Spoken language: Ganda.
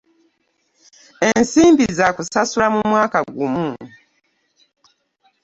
Ensimbi za kusasula mu mwaka gumu.